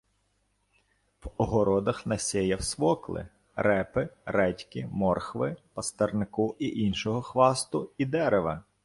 В огородах насєяв свокли, репи, редьки, морхви, пастернаку і іншого хвасту і дерева.